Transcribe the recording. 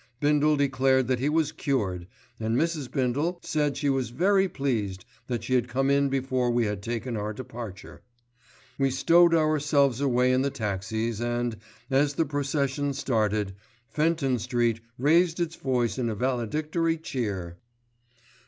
Bindle declared that he was cured, and Mrs. Bindle said she was very pleased that she had come in before we had taken our departure. We stowed ourselves away in the taxis and, as the procession started, Fenton Street raised its voice in a valedictory cheer.